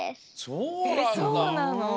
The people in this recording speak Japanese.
そうなんだ。